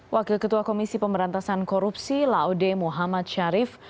wakil ketua komisi pemberantasan korupsi laude muhammad syarif